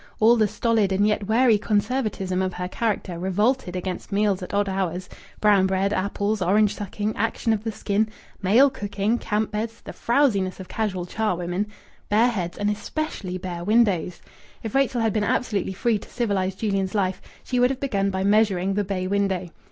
All the stolid and yet wary conservatism of her character revolted against meals at odd hours, brown bread, apples, orange sucking, action of the skin, male cooking, camp beds, the frowsiness of casual charwomen, bare heads, and especially bare windows. If Rachel had been absolutely free to civilize Julian's life, she would have begun by measuring the bay window.